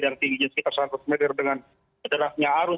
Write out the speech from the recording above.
dan tingginya sekitar seratus meter dengan derasnya arus